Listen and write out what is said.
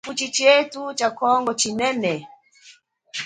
Tshifuchi chethu cha kongo chinene.